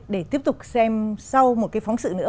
để tiếp tục xem sau một cái phóng sự nữa